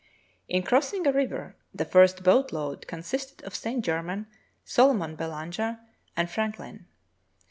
In crossing a river the first boat load con sisted of Saint Germain, Solomon Belanger, and Frank lin.